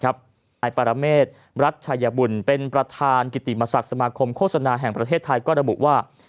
อารเมษรัชชายบุญเป็นประธานกิติมศักดิ์สมาคมโฆษณาแห่งประเทศไทยก็ระบุว่า